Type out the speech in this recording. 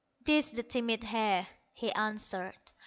"'Tis the timid hare", he answered.